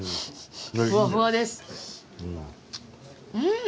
うん！